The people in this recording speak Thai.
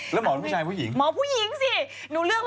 แล้วหมอผู้ชายผู้หญิงหมอผู้หญิงสิหนูเลือก